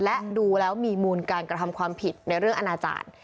และดูแล้วมีมูลการกระทำความผิดในเรื่องอนาจารย์